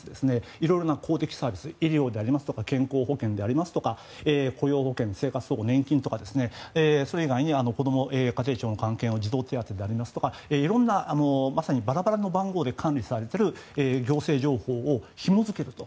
いろいろな公的サービス医療や健康保険であるとか雇用保険、生活保護、年金とかそれ以外にこども家庭庁の関係の児童手当であるとかいろんな、まさにばらばらの番号で管理されている行政情報をひも付けると。